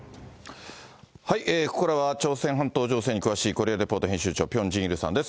ここからは朝鮮半島情勢に詳しいコリアリポート編集長、ピョン・ジンイルさんです。